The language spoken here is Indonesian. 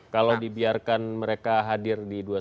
kalau dibiarkan mereka hadir di dua ratus dua belas